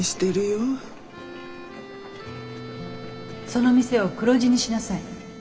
その店を黒字にしなさい。